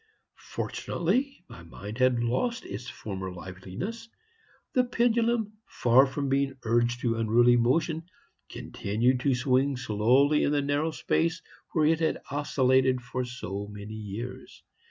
"Fortunately my mind had lost its former liveliness. The pendulum, far from being urged to unruly motion, continued to swing slowly in the narrow space where it had oscillated for so many years.